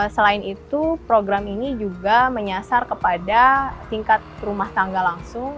selain itu program ini juga menyasar kepada tingkat rumah tangga langsung